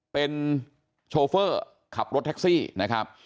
เป็นโชเฟอร์ขับรถแท็กซี่นะครับ